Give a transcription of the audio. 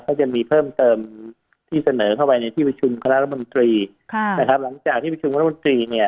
ก็ยังมีเพิ่มเติมที่เสนอเข้าไปในที่ประชุมคณะรัฐมนตรีค่ะนะครับหลังจากที่ประชุมรัฐมนตรีเนี่ย